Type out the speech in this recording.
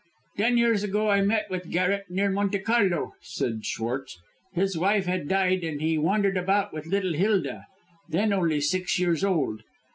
"Ten years ago I met with Garret near Monte Carlo," said Schwartz. "His wife had died, and he wandered about with little Hilda, then only six years old.